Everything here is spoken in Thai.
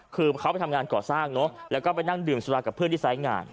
คือเขาไปทำงานก่อสร้างเนอะแล้วก็ไปนั่งดื่มสุรากับเพื่อนที่ไซส์งาน